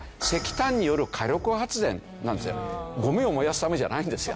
ゴミを燃やすためじゃないんですよ。